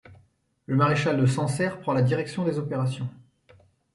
Le maréchal de Sancerre prend la direction des opérations.